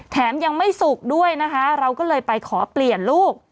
แถมยังไม่สุกด้วยนะคะเราก็เลยไปขอเปลี่ยนลูก